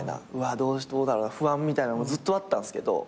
どうだろうな不安みたいなのもずっとあったんすけど。